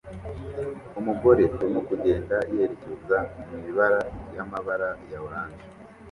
Umugore arimo kugenda yerekeza mu ibara ryamabara ya orange